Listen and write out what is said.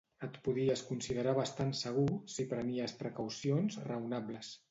Et podies considerar bastant segur si prenies precaucions raonables.